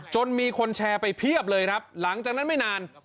มีคนแชร์ไปเพียบเลยครับหลังจากนั้นไม่นาน